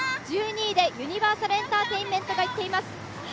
１２位でユニバーサルエンターテインメントが行っています。